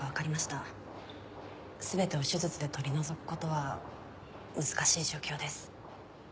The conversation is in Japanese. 全てを手術で取り除く事は難しい状況です。